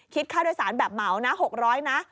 ค่าโดยสารแบบเหมานะ๖๐๐นะ